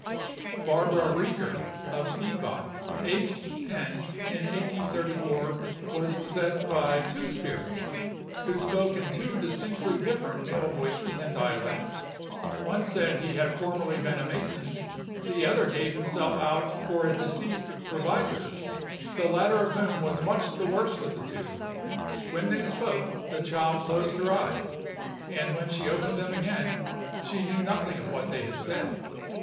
Barbara Rieger, of Steinbach, aged ten, in 1834, was possessed by two spirits, who spoke in two distinctly different male voices and dialects; one said he had formerly been a mason, the other gave himself out for a deceased provisor; the latter of whom was much the worst of the two. When they spoke, the child closed her eyes, and when she opened them again, she knew nothing of what they had said.